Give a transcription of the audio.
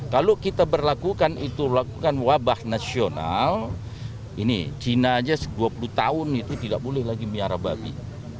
kalau kita berlakukan itu lakukan wabah nasional ini cina aja dua puluh tahun itu tidak boleh lagi miara babi